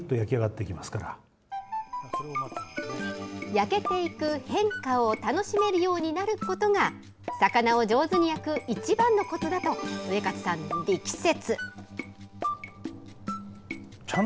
焼けていく変化を楽しめるようになることが魚を上手に焼く一番のコツだとウエカツさん、力説。